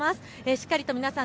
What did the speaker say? しっかりと皆さん